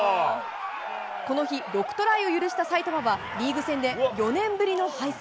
この日６トライを許した埼玉はリーグ戦で４年ぶりの敗戦。